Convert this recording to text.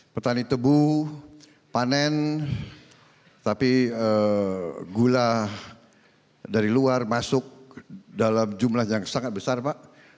petani tebu panen tapi gula dari luar masuk dalam jumlah yang sangat besar pak